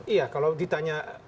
iya kalau ditanya